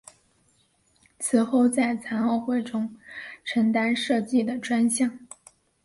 此后在残奥会中承担射击的专项。